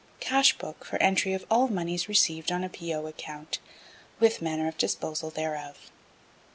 Cash Book for entry of all monies received on P.O. account, with manner of disposal thereof.